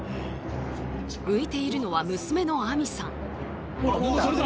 浮いているのは娘の愛美さん。